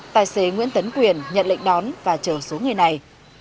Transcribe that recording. tài xế nguyễn tấn quyền nhận lệnh đón và chờ số người này